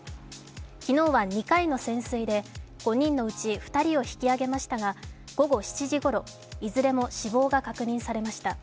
昨日は２回の潜水で５人のうち２人を引き揚げましたが午後７時ごろいずれも死亡が確認されました。